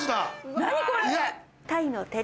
何これ！